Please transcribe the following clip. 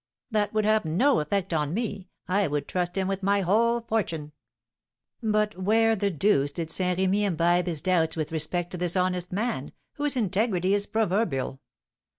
"That would have no effect on me; I would trust him with my whole fortune." "But where the deuce did Saint Remy imbibe his doubts with respect to this honest man, whose integrity is proverbial?"